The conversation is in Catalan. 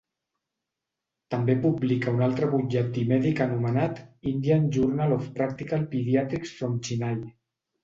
També publica un altre butlletí mèdic anomenat "Indian Journal of Practical Pediatrics from Chennai".